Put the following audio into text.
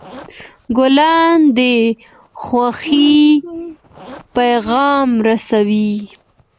ګلان د خوښۍ پیغام رسوي.